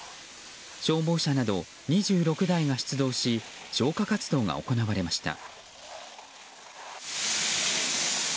消防車など２６台が出動し消火活動が行われました。